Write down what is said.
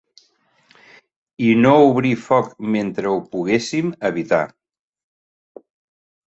I no obrir foc mentre ho poguéssim evitar.